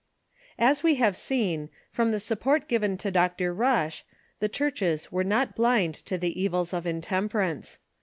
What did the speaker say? As we have seen, from the support given to Dr. Rush, the churches were not blind to the evils of intemperance.